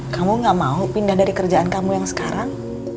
kamu gak mau pindah dari kerjaan kamu yang sekarang